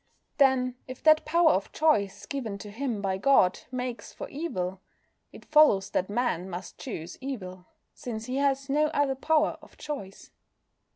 Then, if that power of choice given to him by God makes for evil, it follows that Man must choose evil, since he has no other power of choice.